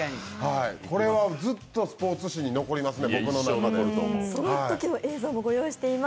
これはずっとスポーツ史に残りますね、僕の中で。